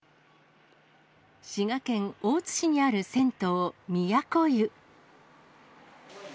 滋賀県大津市にある銭湯、都湯。